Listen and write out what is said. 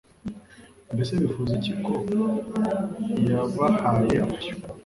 Mbese bifuza iki ko yabahaye amashyo